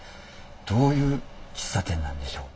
どういう喫茶店なんでしょう。